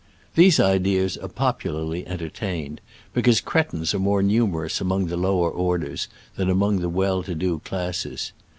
These ideas are popularly en tertained, because cretins are more numerous among the lower orders than among the well to do classes.